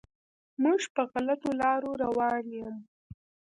موږ په غلطو لارو روان یم.